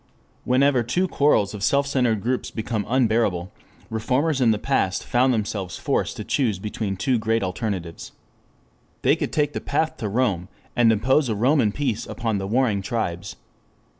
Whenever the quarrels of self centered groups become unbearable, reformers in the past found themselves forced to choose between two great alternatives. They could take the path to Rome and impose a Roman peace upon the warring tribes.